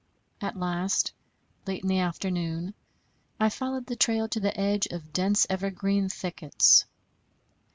At last, late in the afternoon, I followed the trail to the edge of dense evergreen thickets.